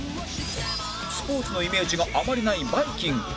スポーツのイメージがあまりないバイきんぐ